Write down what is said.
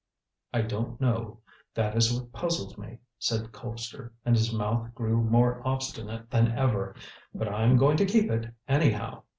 "I don't know. That is what puzzles me," said Colpster, and his mouth grew more obstinate than ever. "But I'm going to keep it, anyhow."